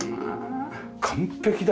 完璧だ。